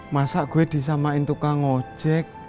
masa gue disamain tukang ojek